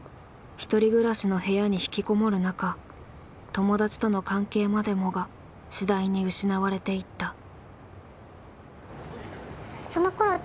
１人暮らしの部屋に引きこもる中友達との関係までもが次第に失われていった。